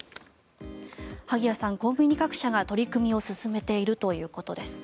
萩谷さん、コンビニ各社が取り組みを進めているということです。